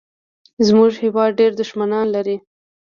زمونږ هېواد ډېر دوښمنان لري